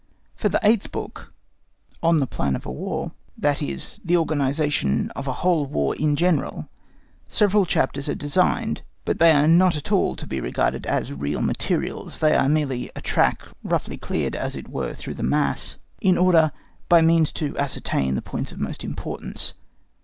For the eighth book—on the Plan of a War, that is, of the organisation of a whole War in general—several chapters are designed, but they are not at all to be regarded as real materials, they are merely a track, roughly cleared, as it were, through the mass, in order by that means to ascertain the points of most importance.